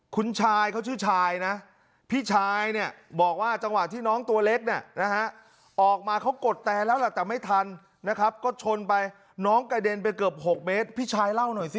คุณชายเขาชื่อชายนะพี่ชายเนี่ยบอกว่าจังหวะที่น้องตัวเล็กเนี่ยนะฮะออกมาเขากดแต่แล้วล่ะแต่ไม่ทันนะครับก็ชนไปน้องกระเด็นไปเกือบ๖เมตรพี่ชายเล่าหน่อยสิ